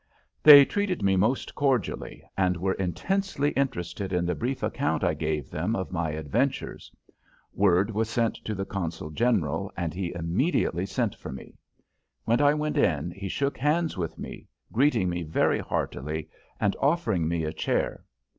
They treated me most cordially and were intensely interested in the brief account I gave them of my adventures. Word was sent to the consul general, and he immediately sent for me. When I went in he shook hands with me, greeting me very heartily and offering me a chair.